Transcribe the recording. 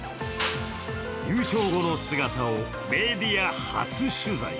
優勝後の姿をメディア初取材。